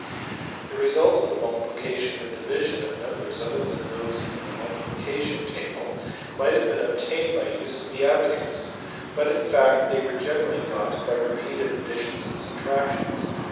The results of the mul tiplication or division of numbers other than those in the multiplication table might have been obtained by the use of the abacus, but in fact they were generally got by repeated additions and subtractions.